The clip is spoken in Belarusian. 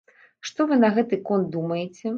Што вы на гэты конт думаеце?